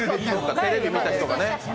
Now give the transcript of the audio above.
テレビ見た人がね